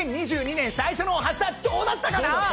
２０２２年最初の『おはスタ』どうだったかな？